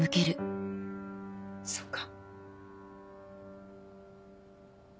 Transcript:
そっか。